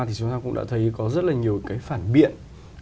thì chúng ta cũng đã thấy có rất là nhiều cái phản biện